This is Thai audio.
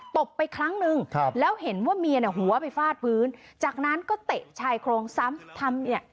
บไปครั้งนึงครับแล้วเห็นว่าเมียเนี่ยหัวไปฟาดพื้นจากนั้นก็เตะชายโครงซ้ำทำเนี่ย